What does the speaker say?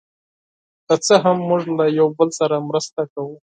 که څه هم، موږ له یو بل سره مرسته کوو.